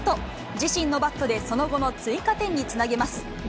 自身のバットでその後の追加点につなげます。